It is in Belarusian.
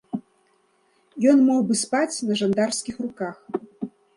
Ён мог бы спаць на жандарскіх руках.